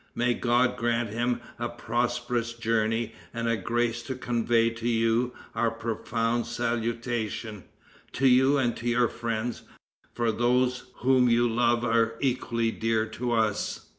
May God grant him a prosperous journey and the grace to convey to you our profound salutation to you and to your friends; for those whom you love are equally dear to us."